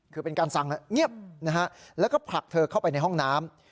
คือเป็นการสั่งเงียบนะฮะแล้วก็ผลักเธอเข้าไปในห้องน้ำ